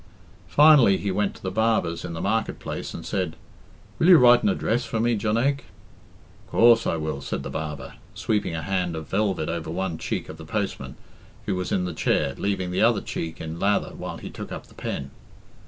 Finally, he went to the barber's in the market place and said, "Will you write an address for me, Jonaique?" "Coorse I will," said the barber, sweeping a hand of velvet over one cheek of the postman, who was in the chair, leaving the other cheek in lather while he took up the pen.